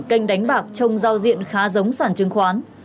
kênh đánh bạc trong giao diện khá giống sản chứng khoán